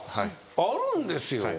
あるんですよ。